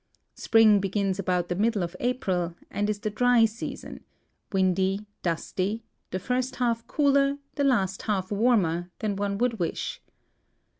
Spring begins about the middle of April and is the dry season — windy, dusty, the first half cooler, the last half warmer, than one would wish.